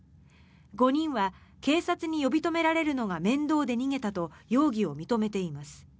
５人は警察に呼び止められるのが面倒で逃げたと容疑を認めています。